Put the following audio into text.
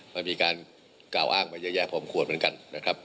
มันมีการกล่าวอ้างมาเยอะแยะพอมควรเหมือนกันนะครับ